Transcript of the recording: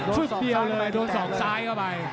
ชุดเดียวเลยโดนศอกซ้ายเข้าไป